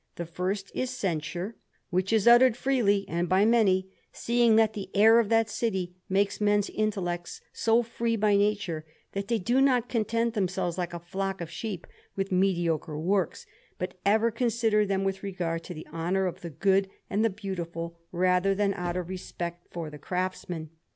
The first is censure, which is uttered freely and by many, seeing that the air of that city makes men's intellects so free by nature, that they do not content themselves, like a flock of sheep, with mediocre works, but ever consider them with regard to the honour of the good and the beautiful rather than out of respect for the craftsman.